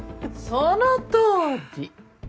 そのとおり。